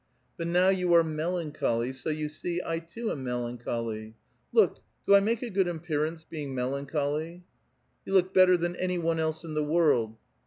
But now you are meiauciioly, so you see I too am melancholy. Look ! do I make a good appear ance lK»in<j melancholv? "Yo:i l(M)k better than any one else in the world."